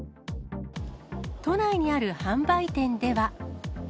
都内にある販売店では。